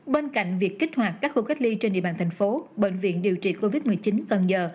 bên cạnh việc kích hoạt các khu cách ly trên địa bàn thành phố bệnh viện điều trị covid một mươi chín cần giờ